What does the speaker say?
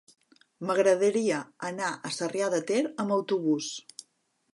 M'agradaria anar a Sarrià de Ter amb autobús.